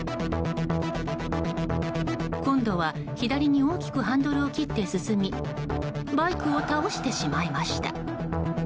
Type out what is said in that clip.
今度は左に大きくハンドルを切って進みバイクを倒してしまいました。